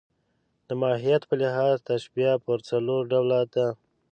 د ماهیت په لحاظ تشبیه پر څلور ډوله ده.